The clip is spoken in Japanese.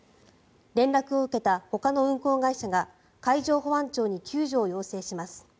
連絡を受けたほかの運航会社が海上保安庁に救助を要請します。